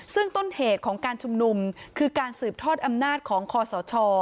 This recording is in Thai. ซึ่งต้นเหตุของการชุมนุมคือการสืบทอดอำนาจของคอสช